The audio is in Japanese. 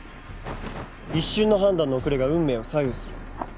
一瞬の判断の遅れが運命を左右する。